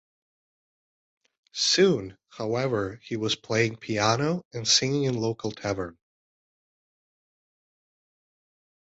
Soon, however, he was playing piano and singing in local taverns.